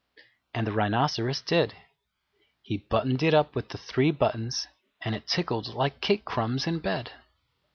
And the Rhinoceros did. He buttoned it up with the three buttons, and it tickled like cake crumbs in bed.